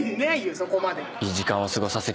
そこまで。